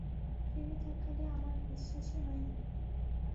ফিরে তাকালে, আমার বিশ্বাসই হয় না?